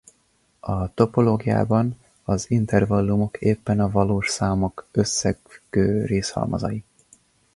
A topológiában az intervallumok éppen a valós számok összefüggő részhalmazai.